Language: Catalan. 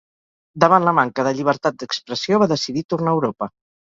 Davant la manca de llibertat d'expressió, va decidir tornar a Europa.